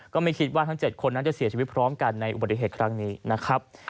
ก็ไม่คิดว่าทั้ง๗คนนั้นจะเสียชีวิตพร้อมกันในอุบัติเหตุครั้งนี้นะครับ